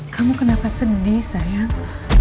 kamu kenapa sedih sayang